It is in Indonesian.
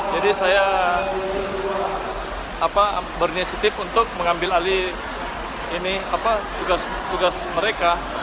jadi saya bernestip untuk mengambil alih tugas mereka